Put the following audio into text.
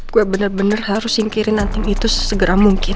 gua bener bener harus singkirin anting itu sesegera mungkin